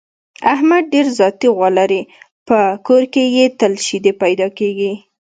احمد ډېره ذاتي غوا لري، په کور کې یې تل شیدې پیدا کېږي.